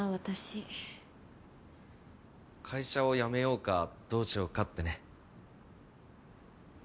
会社を辞めようかどうしようかってね。